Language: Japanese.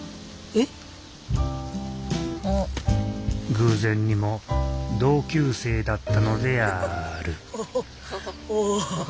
偶然にも同級生だったのであるおお。